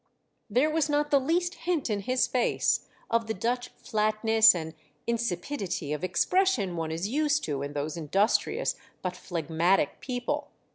There was not the least hint in his face of the Dutch flatness and insipidity of expression one is used to in those industrious but phlegmatic people.